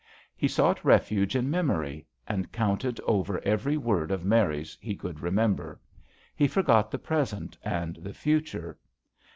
He sought refuge in memory, and counted over every word of Mary's he could remember. He forgot the present and the future.